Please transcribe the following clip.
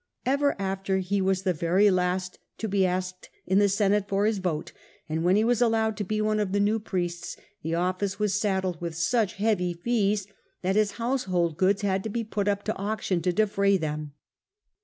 Ever after he was the very last to be asked in the Senate for his vote, and when he was allowed to be one of the new priests the office was saddled with such heavy fees that his household goods had to be put up to auction to defray them.